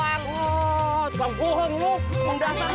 kamu bohong kamu dasar aku akan mengejarmu